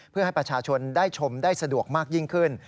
เพื่อให้ประชาชนได้ชมได้สะดวกมากยิ่งขึ้น